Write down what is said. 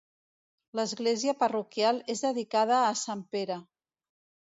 L’església parroquial és dedicada a sant Pere.